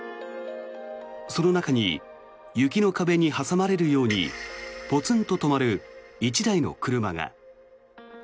その中に雪の壁に挟まれるようにポツンと止まる１台の車が。